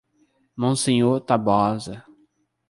Monsenhor Tabosa